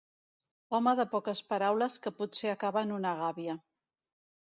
Home de poques paraules que potser acaba en una gàbia.